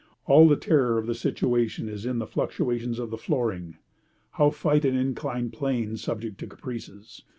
All the terror of the situation is in the fluctuations of the flooring. How fight an inclined plane subject to caprices?